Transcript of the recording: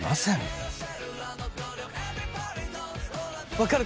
分かる。